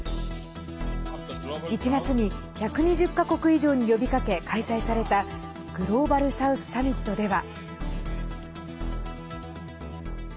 １月に１２０か国以上に呼びかけ開催されたグローバル・サウスサミットでは。